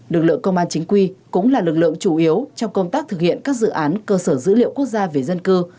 lực lượng công an chính quy cũng là lực lượng chủ yếu trong công tác thực hiện các dự án cơ sở dữ liệu quốc gia về dân cư